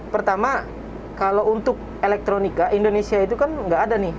pertama kalau untuk elektronika indonesia itu kan nggak ada nih